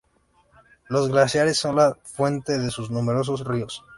Los glaciares son la fuente de de sus numerosos ríos.